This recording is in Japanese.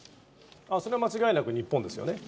それは間違いなく日本ですよね。